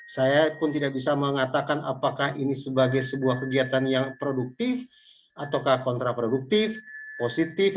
saya pun tidak bisa mengatakan apakah ini sebagai sebuah kegiatan yang produktif ataukah kontraproduktif positif